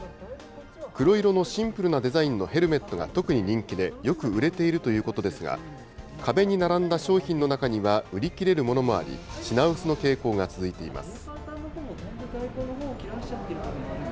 黒色のシンプルなデザインのヘルメットが特に人気で、よく売れているということですが、壁に並んだ商品の中には売り切れるものもあり、品薄の傾向が続いています。